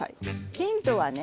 ヒントはね